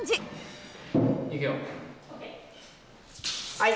はい。